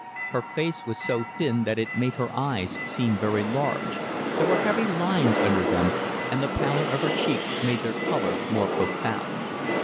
Her face was so thin that it made her eyes seem very large; there were heavy lines under them, and the pallor of her cheeks made their colour more profound.